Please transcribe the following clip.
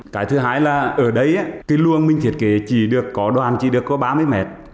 cái thứ hai là ở đấy cái luông mình thiết kế chỉ được có đoàn chỉ được có ba mươi m